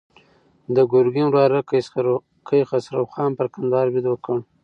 د ګرګین وراره کیخسرو خان پر کندهار برید وکړ.